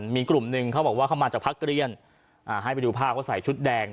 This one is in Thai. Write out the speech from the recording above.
มีกลุ่มหนึ่งเขาบอกว่าเข้ามาจากพักเรียนให้ไปดูภาพว่าใส่ชุดแดง